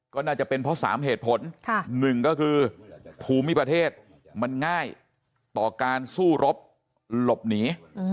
ก็น่าจะเป็นเพราะ๓เหตุผลหนึ่งก็คือภูมิประเทศมันง่ายต่อการสู้รบหลบหนี